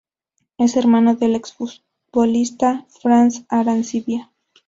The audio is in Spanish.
Es hermano del exfutbolista Franz Arancibia